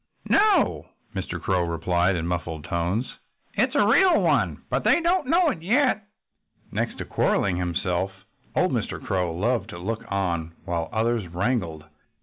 "No!" Mr. Crow replied in muffled tones. "It is a real one but they don't know it yet." Next to quarreling himself, old Mr. Crow loved to look on while others wrangled.